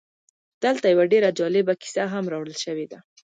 دلته یوه ډېره جالبه کیسه هم راوړل شوې ده